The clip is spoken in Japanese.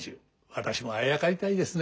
私もあやかりたいですね。